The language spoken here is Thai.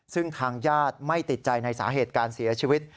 ซึ่งทางญาติไม่ติดใจในสาเหตุการเสียชีวิต